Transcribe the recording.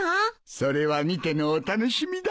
それは見てのお楽しみだ。